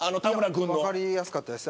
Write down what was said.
分かりやすかったです。